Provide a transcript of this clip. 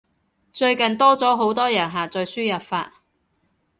最近多咗好多人下載輸入法